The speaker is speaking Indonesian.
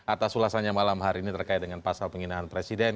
atas ulasannya malam hari ini terkait dengan pasal penghinaan presiden